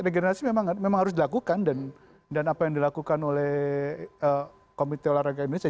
regenerasi memang harus dilakukan dan apa yang dilakukan oleh komite olahraga indonesia